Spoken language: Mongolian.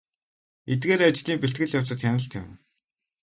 Эдгээр ажлын бэлтгэл явцад хяналт тавина.